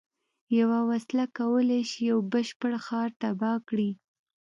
یوه وسله کولای شي یو بشپړ ښار تباه کړي